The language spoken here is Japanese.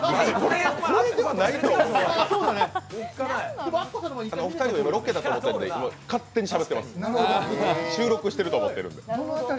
これではないと、今お二人はロケではないと思ってるので勝手にしゃべってます、収録してると思ってる。